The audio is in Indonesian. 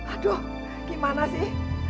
aduh gimana sih